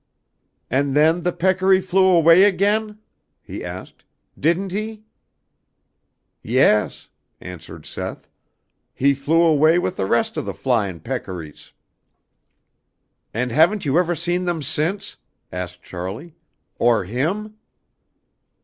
"And then the peccary flew away again?" he asked. "Didn't he?" "Yes," answered Seth. "He flew away with the rest of the flyin' peccaries." "And haven't you ever seen them since?" asked Charlie, "or him?"